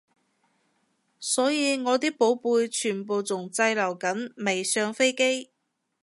所以我啲寶貝全部仲滯留緊未上飛機